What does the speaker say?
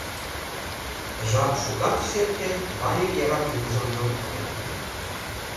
Жап шукат ыш эрте, Валик яра кӱмыжым нӧлтале.